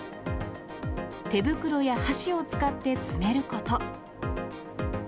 手袋や箸を使って詰めること。